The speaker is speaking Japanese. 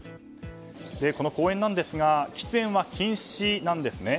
この公園なんですが喫煙は禁止なんですね。